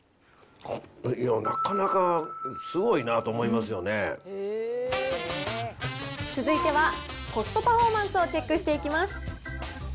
いや、なかなかすごいなと思いま続いては、コストパフォーマンスをチェックしていきます。